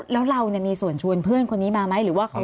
แล้วเรามีส่วนชวนเพื่อนคนนี้มาไหมหรือว่าเขา